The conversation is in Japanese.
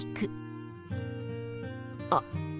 あっ